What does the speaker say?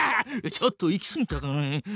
ちょっと行きすぎたかね。